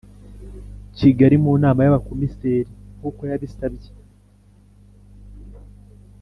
Kigali mu nama y Abakomiseri nk uko yabisabye